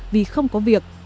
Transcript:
vì không có việc